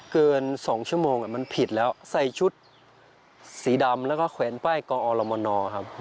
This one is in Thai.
เกิน๒ชั่วโมงมันผิดแล้วใส่ชุดสีดำแล้วก็แขวนป้ายกอรมนครับ